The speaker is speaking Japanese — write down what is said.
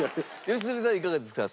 良純さんはいかがですか？